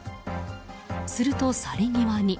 すると、去り際に。